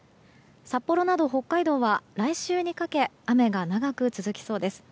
札幌など北海道は、来週にかけ雨が長く続きそうです。